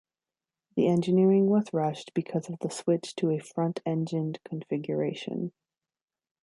The engineering was rushed because of the switch to a front-engined configuration.